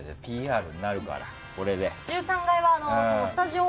ＰＲになるから、これで。